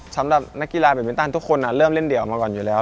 สำหรับนักกีฬาแบบมินตันทุกคนเริ่มเล่นเดี่ยวมาก่อนอยู่แล้ว